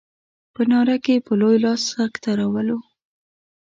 په ناره کې په لوی لاس سکته راولو.